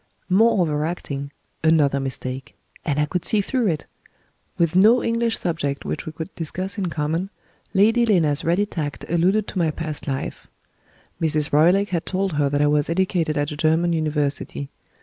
More over acting! Another mistake! And I could see through it! With no English subject which we could discuss in common, Lady Lena's ready tact alluded to my past life. Mrs. Roylake had told her that I was educated at a German University.